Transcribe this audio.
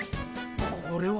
これは。